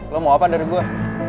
lo mau apa dari gue